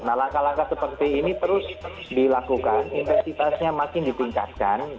nah langkah langkah seperti ini terus dilakukan intensitasnya makin ditingkatkan